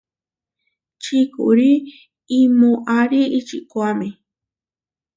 Čikúri imoári ičikuáme.